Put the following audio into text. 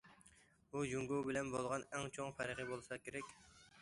بۇ جۇڭگو بىلەن بولغان ئەڭ چوڭ پەرقى بولسا كېرەك.